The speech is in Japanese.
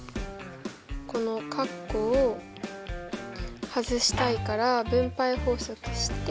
このカッコを外したいから分配法則して。